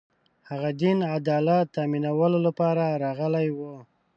هغه دین عدالت تأمینولو لپاره راغلی و